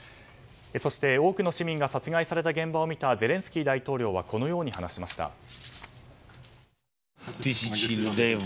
そして、多くの市民が殺害された現場を見たゼレンスキー大統領はこのように話しました。